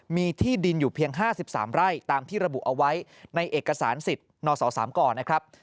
มีที่ดินอยู่เพียง๕๓ไร่ตามที่ระบุเอาไว้ในเอกสารสิทธิ์นศ๓กรนะครับ